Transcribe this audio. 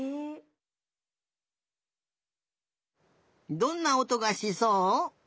どんなおとがしそう？